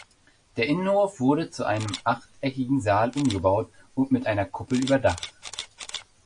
Der Innenhof wurde zu einem achteckigen Saal umgebaut und mit einer Kuppel überdacht.